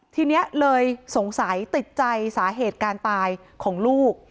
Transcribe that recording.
ทีนี้เลยสงสัยติดใจสาเหตุการตายของลูก